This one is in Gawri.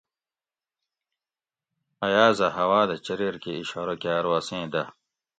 ایازھہ ھوا دہ چریر کہ اِشارہ کا ارو اسیں دہ